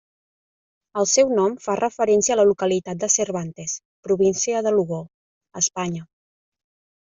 El seu nom fa referència a la localitat de Cervantes, Província de Lugo, Espanya.